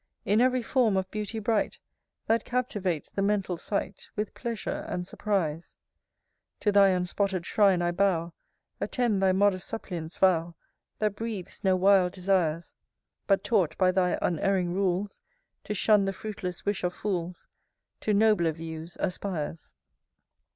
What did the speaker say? In ev'ry form of beauty bright, That captivates the mental sight With pleasure and surprise; V. To thy unspotted shrine I bow: Attend thy modest suppliant's vow, That breathes no wild desires; But, taught by thy unerring rules, To shun the fruitless wish of fools, To nobler views aspires.